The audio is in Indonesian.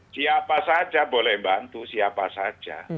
siapa saja boleh bantu siapa saja